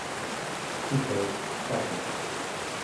He plays soccer.